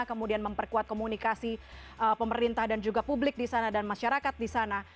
kemudian memperkuat komunikasi pemerintah dan juga publik di sana dan masyarakat di sana